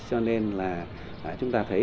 cho nên là chúng ta thấy